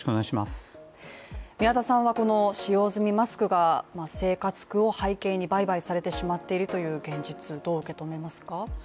宮田さんはこの使用済みマスクが生活苦を背景に売買されてしまっているという現実、どう受け止めますか。